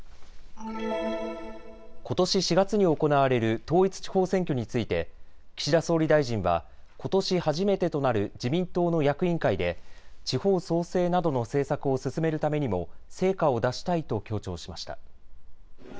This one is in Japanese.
ことし４月に行われる統一地方選挙について岸田総理大臣はことし初めてとなる自民党の役員会で地方創生などの政策を進めるためにも成果を出したいと強調しました。